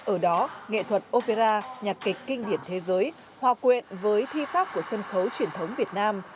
ở đó nghệ thuật opera nhạc kịch kinh điển thế giới hòa quyện với thi pháp của sân khấu truyền thống việt nam